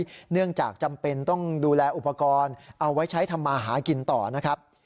เนื่องจากจำเป็นต้องดูแลอุปกรณ์เอาไว้ใช้ทำมาหากินต่อนะครับ